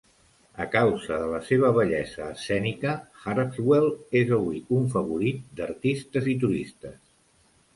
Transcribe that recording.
A causa de la seva bellesa escènica, Harpswell és avui un favorit d'artistes i turistes.